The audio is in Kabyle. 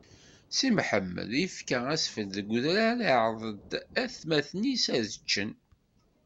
Si Mḥemmed ifka asfel deg udrar, iɛreḍ-d atmaten-is ad ččen.